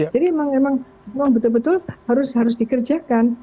jadi memang betul betul harus dikerjakan